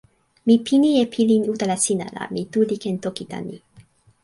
mi pini e pilin utala sina la mi tu li ken toki tan ni.